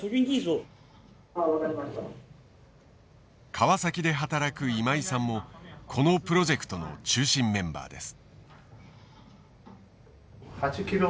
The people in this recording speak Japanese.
川崎で働く今井さんもこのプロジェクトの中心メンバーです。